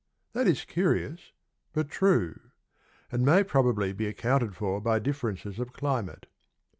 That is curious, but true, And may probably be accounted for By differences of climate.